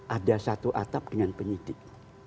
ada satu atap dengan penyidik